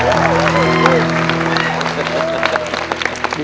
ภูมิทำอะไร